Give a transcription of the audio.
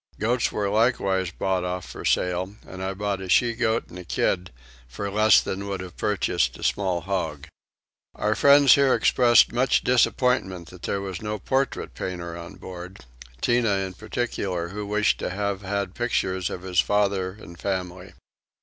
Goats were likewise brought off for sale, and I bought a she goat and kid for less than would have purchased a small hog. Our friends here expressed much disappointment that there was no portrait painter on board; Tinah in particular, who wished to have had pictures of his father and family.